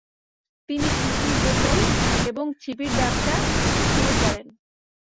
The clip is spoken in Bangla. তিনি শিশি বোতল এবং ছিপির ব্যবসা শুরু করেন ।